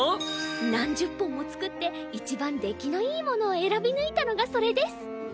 何十本も作っていちばん出来のいいものを選び抜いたのがそれです。